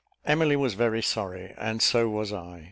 Emily was very sorry, and so was I.